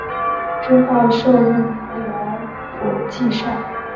之后授任辽府纪善。